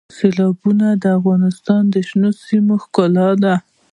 سیلابونه د افغانستان د شنو سیمو ښکلا ده.